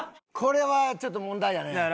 これはちょっと問題やね。